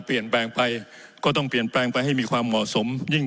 เปลี่ยนแปลงไปก็ต้องเปลี่ยนแปลงไปให้มีความเหมาะสมยิ่ง